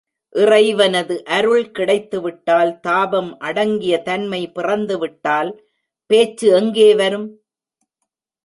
இறைவனது அருள் கிடைத்துவிட்டால், தாபம் அடங்கிய தன்மை பிறந்துவிட்டால், பேச்சு எங்கே வரும்?